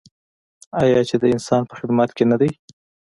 آیا چې د انسان په خدمت کې نه دی؟